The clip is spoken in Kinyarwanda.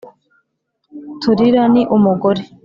Tulira ni umugore: